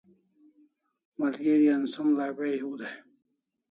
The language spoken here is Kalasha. Malgeri an som l'abe' hiu dai